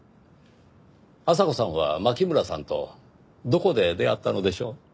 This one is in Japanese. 阿佐子さんは牧村さんとどこで出会ったのでしょう？